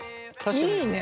いいね！